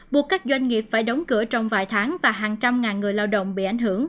buộc các doanh nghiệp phải đóng cửa trong vài tháng và hàng trăm ngàn người lao động bị ảnh hưởng